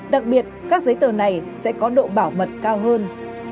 đặc biệt các giấy tờ này sẽ có độ bảo mật cao hơn